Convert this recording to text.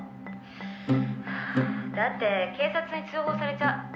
「だって警察に通報されちゃう。